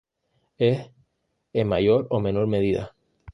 Es "en mayor o menor medida".